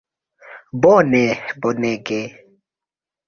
Bone, bonege!